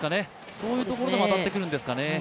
そういうところでも当たってくるんですかね。